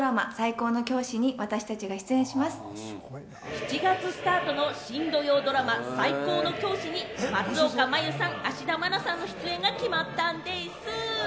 ７月スタートの新土曜ドラマ『最高の教師』に松岡茉優さん、芦田愛菜さんの出演が決まったんでぃす！